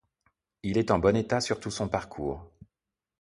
Elle est en bon état sur tout son parcours.